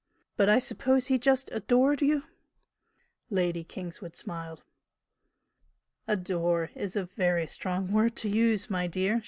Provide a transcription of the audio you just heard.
But I suppose he just adored you?" Lady Kingswood smiled. "'Adore' is a very strong word to use, my dear!"